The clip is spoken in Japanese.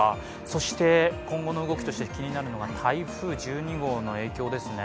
そして今後の動きとして気になるのが台風１２号の影響ですね。